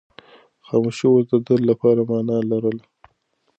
خاموشي اوس د ده لپاره مانا لرله.